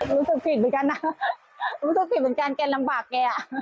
รู้สึกผิดเหมือนกันนะรู้สึกผิดเหมือนกันแกลำบากแก